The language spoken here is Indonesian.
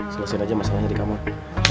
selesaiin aja masalahnya di kamar